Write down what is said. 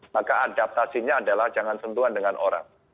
maka adaptasinya adalah jangan sentuhan dengan orang